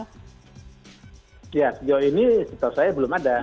ya sejauh ini setahu saya belum ada